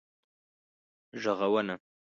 ږغونه